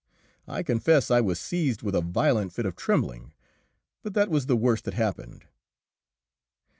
I confess I was seized with a violent fit of trembling, but that was the worst that happened.